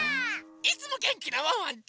いつもげんきなワンワンと！